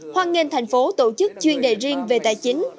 hoan nghênh thành phố tổ chức chuyên đề riêng về tài chính